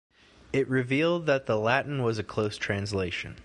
It revealed that the Latin was a close translation.